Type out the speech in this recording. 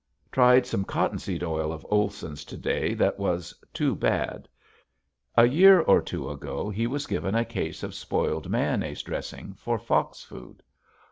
Tried some cottonseed oil of Olson's to day that was too bad. A year or two ago he was given a case of spoiled mayonnaise dressing for fox food.